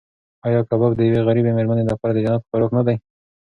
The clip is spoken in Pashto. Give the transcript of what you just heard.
ایا کباب د یوې غریبې مېرمنې لپاره د جنت خوراک نه دی؟